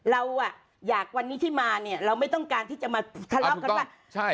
เราอ่ะอยากวันนี้ที่มาเนี่ยเราไม่ต้องการที่จะมาทะเลาะกันว่าใช่